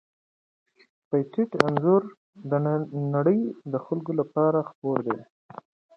پېټټ انځور د نړۍ د خلکو لپاره خپور کړ.